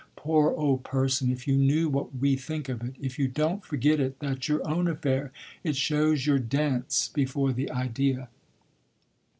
Poor old 'person' if you knew what we think of it! If you don't forget it that's your own affair: it shows you're dense before the idea."